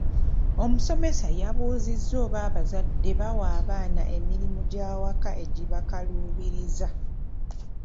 Omusomesa yabuuzizza oba abazadde bawa abaana emirimu gy'awaka egibakaluubiriza.